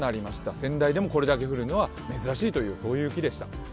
仙台でもこれだけ降るのは珍しいという雪でした。